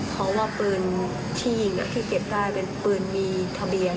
เพราะว่าปืนที่ยิงที่เก็บได้เป็นปืนมีทะเบียน